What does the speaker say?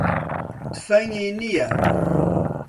تفەنگی نییە.